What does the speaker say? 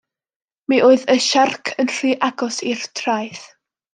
Mi oedd y siarc yn rhy agos i'r traeth.